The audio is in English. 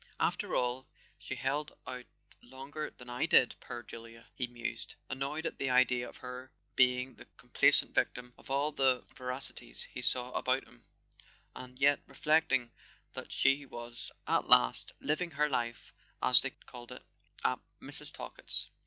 "After all, she held out longer than I did—poor Julia!" he mused, annoyed at the idea of her being the complacent victim of all the voracities he saw about him, and yet reflecting that she was at last living her life, as they called it at Mrs. Talkett's.